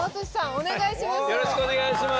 お願いします。